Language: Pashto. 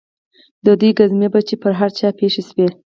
د دوى گزمې به چې پر هر چا پېښې سوې.